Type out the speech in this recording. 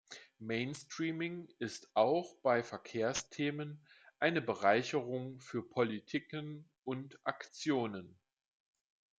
Mainstreaming ist auch bei Verkehrsthemen eine Bereicherung für Politiken und Aktionen.